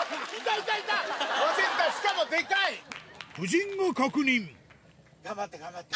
夫人が確認頑張って頑張って。